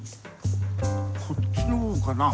こっちのほうかな。